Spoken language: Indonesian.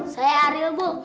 saya ariel ibu